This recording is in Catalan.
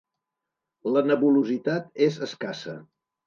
La nebulositat és escassa.